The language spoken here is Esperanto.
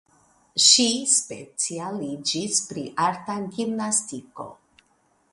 Ŝi specialiĝis pri arta gimnastiko.